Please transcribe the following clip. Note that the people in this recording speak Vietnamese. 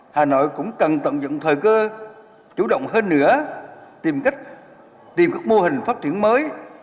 hà nội cũng cần tận dụng thời cơ chủ động hơn nữa tìm các mô hình phát triển mới